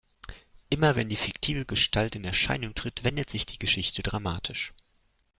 Immer wenn die fiktive Gestalt in Erscheinung tritt, wendet sich die Geschichte dramatisch.